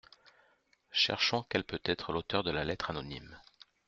Cherchons quel peut être l'auteur de la lettre anonyme.